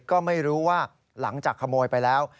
ก็ไม่รู้ว่าหลังจากขโมยไปแล้ว